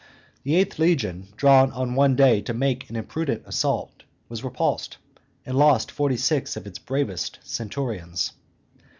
The eighth legion, drawn on one day to make an imprudent assault, was repulsed, and lost forty six of its bravest centurions.